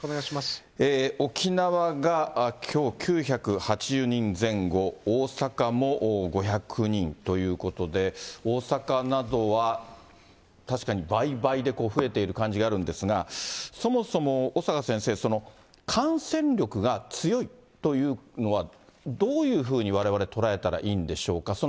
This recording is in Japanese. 沖縄がきょう、９８０人前後、大阪も５００人ということで、大阪などは、確かに倍々で増えている感じがあるんですが、そもそも小坂先生、感染力が強いというのは、どういうふうにわれわれ捉えたらいいんでしょうか。